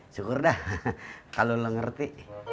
syukur dah kalau lo ngerti